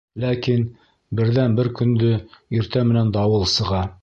Ләкин берҙән-бер көндө иртә менән дауыл сыға.